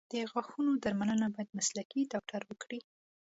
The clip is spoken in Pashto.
د غاښونو درملنه باید مسلکي ډاکټر وکړي.